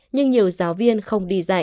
nhưng nhiều giáo viên khó